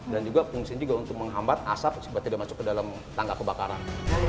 dan juga fungsinya juga untuk menghambat asap sebab tidak masuk ke dalam tangga kebakaran